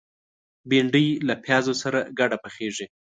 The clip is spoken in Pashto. بېنډۍ له پیازو سره ګډه پخېږي